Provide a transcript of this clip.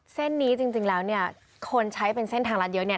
เส้นนี้จริงแล้วเนี่ยคนใช้เป็นเส้นทางรัฐเยอะเนี่ย